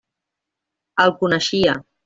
El coneixia.